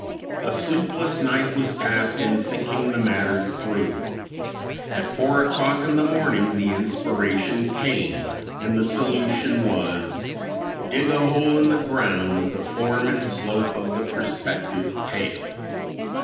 A sleepless night was passed in thinking the matter through. At four o'clock in the morning the inspiration came, and the solution was: Dig a hole in the ground the form and slope of the prospective pail.